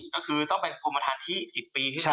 ก็คือต้องเป็นคุณประทานที่๑๐ปี